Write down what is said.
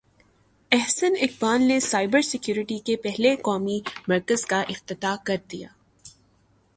احسن اقبال نے cyber security کے پہلے قومی مرکز کا افتتاح کر دیا